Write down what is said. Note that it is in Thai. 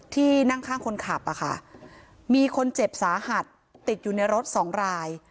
ที่นั่งข้างคนขับอ่ะค่ะมีคนเจ็บสาหัสติดอยู่ในรถสองราย